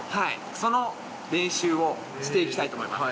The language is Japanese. その練習をして行きたいと思います。